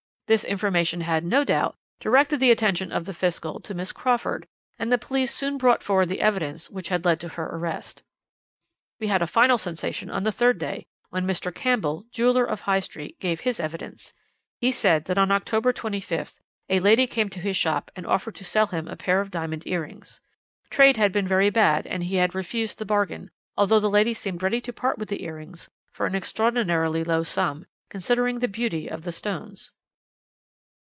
This information had, no doubt, directed the attention of the Fiscal to Miss Crawford, and the police soon brought forward the evidence which had led to her arrest. "We had a final sensation on the third day, when Mr. Campbell, jeweller, of High Street, gave his evidence. He said that on October 25th a lady came to his shop and offered to sell him a pair of diamond earrings. Trade had been very bad, and he had refused the bargain, although the lady seemed ready to part with the earrings for an extraordinarily low sum, considering the beauty of the stones.